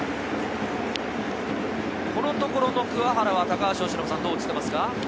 このところの鍬原はどう映っていますか？